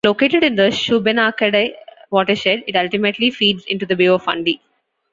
Located in the Shubenacadie watershed, it ultimately feeds into the Bay of Fundy.